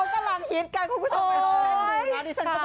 โอ๋เขากำลังหิตกันคุณผู้ชมไป